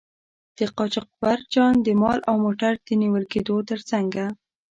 د قاچاقبرجان د مال او موټر د نیول کیدو تر څنګه.